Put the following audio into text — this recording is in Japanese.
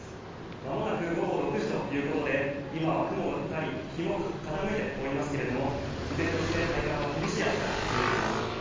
間もなく午後６時ということで今は雲がかかり日も傾いておりますけれども、依然として体感は厳しい暑さが続いています。